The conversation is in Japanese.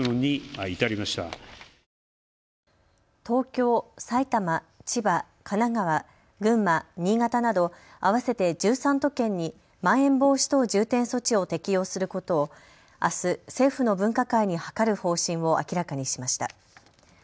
東京、埼玉、千葉、神奈川、群馬、新潟など合わせて１３都県にまん延防止等重点措置を適用することをあす、政府の分科会に諮る方針を明らかにしました。